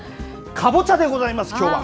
かぼちゃでございます、きょうは。